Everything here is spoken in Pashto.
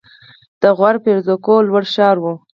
د غور فیروزکوه لوړ ښار و